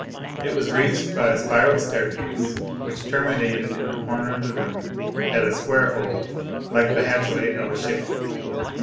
It was reached by a spiral staircase which terminated in the corner of the room at a square hole like the hatchway of a ship.